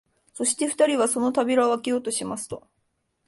そして二人はその扉をあけようとしますと、